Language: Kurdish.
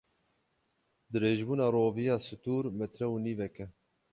Dirêjbûna roviya stûr metre û nîvek e.